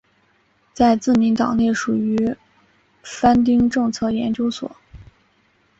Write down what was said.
在自民党内属于番町政策研究所。